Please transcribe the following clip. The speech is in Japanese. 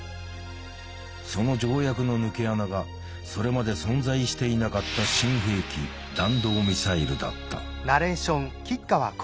その条約の抜け穴がそれまで存在していなかった新兵器弾道ミサイルだった。